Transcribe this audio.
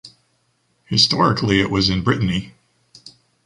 Historically it was in Brittany.